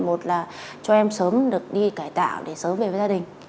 một là cho em sớm được đi cải tạo để sớm về với gia đình